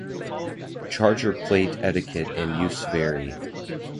Charger plate etiquette and use vary.